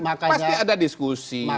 pasti ada diskusi